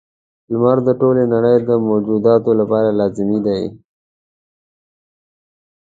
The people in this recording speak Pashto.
• لمر د ټولې نړۍ د موجوداتو لپاره لازمي دی.